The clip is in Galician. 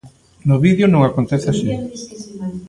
No vídeo non acontece así.